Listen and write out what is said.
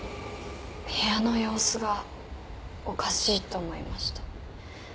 部屋の様子がおかしいと思いました。